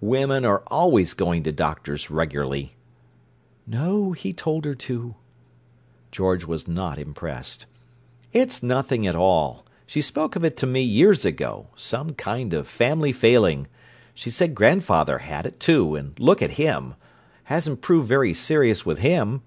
"Women are always going to doctors regularly." "No. He told her to." George was not impressed. "It's nothing at all; she spoke of it to me years ago—some kind of family failing. She said grandfather had it, too; and look at him! Hasn't proved very serious with him!